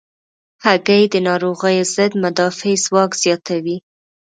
هګۍ د ناروغیو ضد مدافع ځواک زیاتوي.